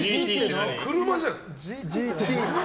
車じゃん。